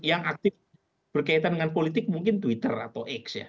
yang aktif berkaitan dengan politik mungkin twitter atau x ya